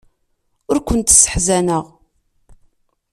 Ur kent-sseḥzaneɣ.